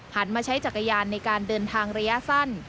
มาใช้จักรยานในการเดินทางระยะสั้น